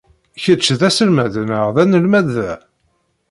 Kecc d aselmad neɣ d anelmad da?